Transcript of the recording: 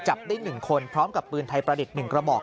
จับได้๑คนพร้อมกับปืนไทยประดิษฐ์๑กระบอก